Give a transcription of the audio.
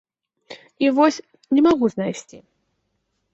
І вось не магу знайсці.